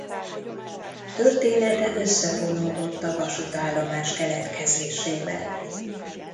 Története összefonódott a vasútállomás keletkezésével.